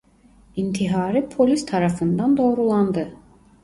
İntiharı polis tarafından doğrulandı.